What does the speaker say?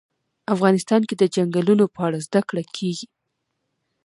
افغانستان کې د چنګلونه په اړه زده کړه کېږي.